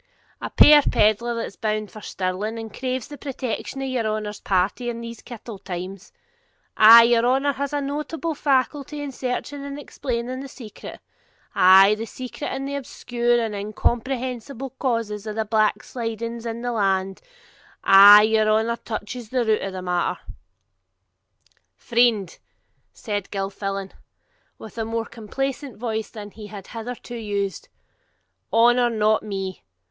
'A puir pedlar, that's bound for Stirling, and craves the protection of your honour's party in these kittle times. Ah' your honour has a notable faculty in searching and explaining the secret, ay, the secret and obscure and incomprehensible causes of the backslidings of the land; ay, your honour touches the root o' the matter.' 'Friend,' said Gilfillan, with a more complacent voice than he had hitherto used, 'honour not me.